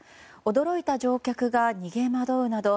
驚いた乗客が逃げ惑うなど